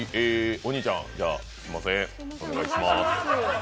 お兄ちゃん、すみませんお願いします。